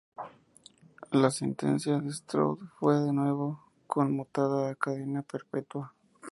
La sentencia de Stroud fue de nuevo conmutada a cadena perpetua.